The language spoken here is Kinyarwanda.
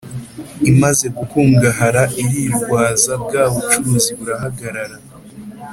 imaze gukungahara irirwaza Bwa bucuruzi burahagarara